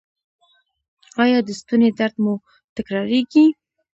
ایا د ستوني درد مو تکراریږي؟